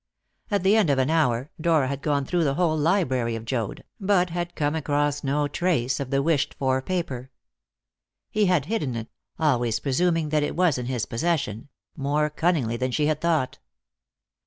At the end of an hour Dora had gone through the whole library of Joad, but had come across no trace of the wished for paper. He had hidden it always presuming that it was in his possession more cunningly than she had thought.